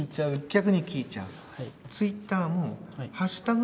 逆に聞いちゃう。